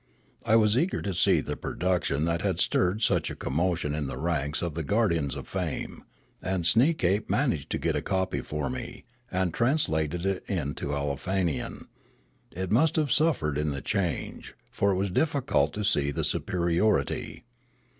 I was eager to see the production that had stirred such a commotion in the ranks of the guardians of fame ; and Sneekape managed to get a copy for me, and translated it into Aleofanian ; it must have suffered, in the change ; for Kloriole 277 it was difficult to see the superiority.